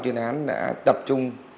chuyên án đã tập trung